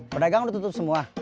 pernah gak kamu udah tutup semua